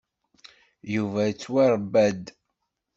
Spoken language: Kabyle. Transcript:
Yuba yettwaṛebba-d.